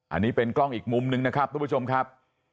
อันนี้เป็นกล้องอีกมุมนึงนะครับทุกผู้ชมครับ